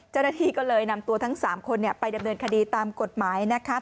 เจ้าหน้าที่ก็เลยนำตัวทั้ง๓คนไปดำเนินคดีตามกฎหมายนะคะ